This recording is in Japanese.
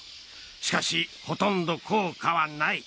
しかし、ほとんど効果はない。